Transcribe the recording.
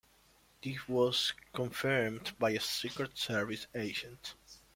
This was confirmed by a Secret Service agent.